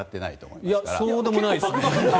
いや、そうでもないです。